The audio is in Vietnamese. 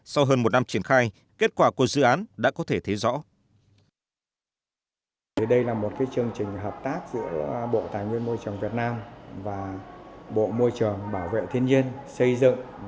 sau hơn một năm triển khai kết quả của dự án đã có thể thấy rõ